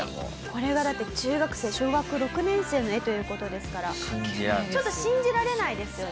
これがだって中学生小学６年生の絵という事ですからちょっと信じられないですよね。